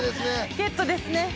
ゲットですね。